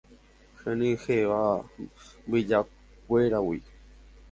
henyhẽva mbyjakuéragui